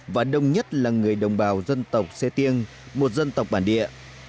và đông nhất là người đồng bào dân tộc sê tiêng một dân tộc bản địa